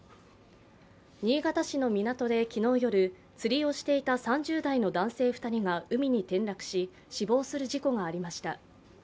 新潟市の港で昨日夜、釣りをしていた３０代の男性２人が海に転落し死亡する事故がありました。